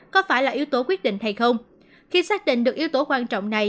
có phải là yếu tố quyết định hay không